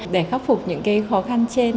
để khắc phục những cái khó khăn trên